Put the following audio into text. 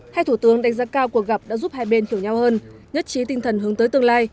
hai thủ tướng đánh giá cao cuộc gặp đã giúp hai bên hiểu nhau hơn nhất trí tinh thần hướng tới tương lai